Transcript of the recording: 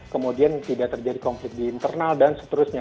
kemudian tidak terjadi konflik di internal dan seterusnya